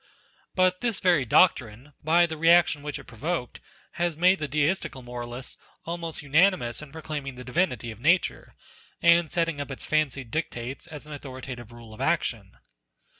But this very doctrine, by the reaction which it provoked, has made the deistical moralists almost unanimous in proclaiming the divinity of Nature, and setting up its fancied dictates as an authoritative rule of action.